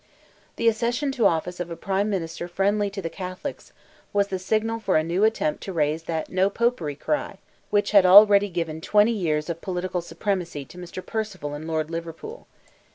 The accession to office of a prime minister friendly to the Catholics, was the signal for a new attempt to raise that "No Popery" cry which had already given twenty years of political supremacy to Mr. Perceval and Lord Liverpool.